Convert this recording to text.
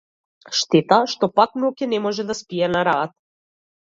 Штета што пак ноќе не може да спие на раат.